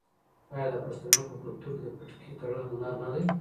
آیا د پښتنو په کلتور کې د پټکي تړل هنر نه دی؟